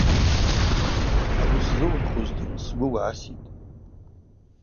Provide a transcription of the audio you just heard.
Ауи сзыуымхузтын сгвы угӏаситӏ!